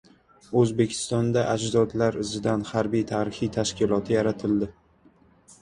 O‘zbekistonda “Ajdodlar izidan” harbiy-tarixiy tashkiloti yaratiladi